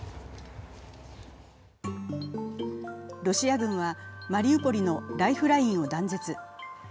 ロシア軍は、マリウポリのライフラインを断絶。